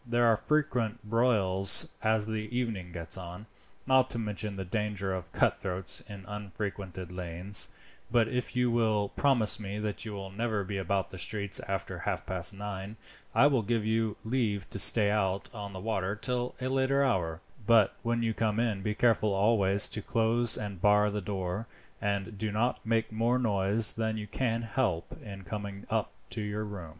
There are frequent broils as the evening gets on, not to mention the danger of cutthroats in unfrequented lanes; but if you will promise me that you will never be about the streets after half past nine, I will give you leave to stay out on the water till a later hour; but when you come in late be careful always to close and bar the door, and do not make more noise than you can help in coming up to your room."